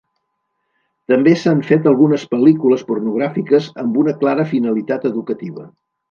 També s'han fet algunes pel·lícules pornogràfiques amb una clara finalitat educativa.